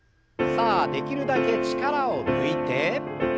さあできるだけ力を抜いて。